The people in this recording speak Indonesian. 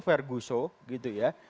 ferguson gitu ya